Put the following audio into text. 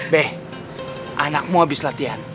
be anakmu abis latihan